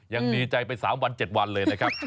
ยังดีใจไป๓วัน๗วันเลยนะครับ